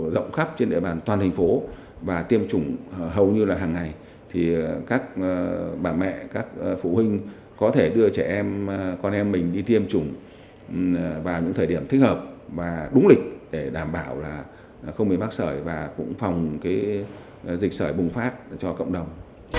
rộng khắp trên địa bàn toàn thành phố và tiêm chủng hầu như là hàng ngày thì các bà mẹ các phụ huynh có thể đưa trẻ em con em mình đi tiêm chủng vào những thời điểm thích hợp và đúng lịch để đảm bảo là không bị mắc sởi và cũng phòng dịch sởi bùng phát cho cộng đồng